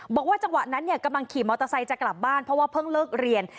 บอกว่าจังหวะนั้นกำลังขี่มอเตอร์ไซค์จะกลับบ้านเพราะว่าเพิ่งเลิกเรียน